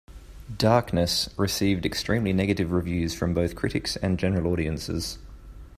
"Darkness" received extremely negative reviews from both critics and general audiences.